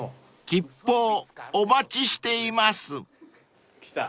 ［吉報お待ちしています］来た。